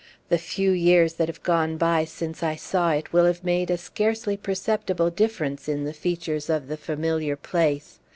The few years that have gone by since I saw it will have made a scarcely perceptible difference in the features of the familiar place.